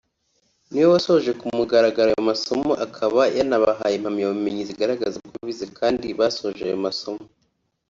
ni we wasoje ku mugaragaro aya masomo akaba yanabahaye impamyabumenyi zigaragaza ko bize kandi basoje ayo masomo